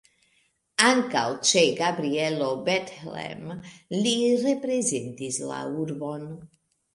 Ankaŭ ĉe Gabrielo Bethlen li reprezentis la urbon.